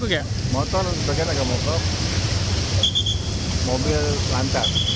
sebagian ada yang moco mobil lancar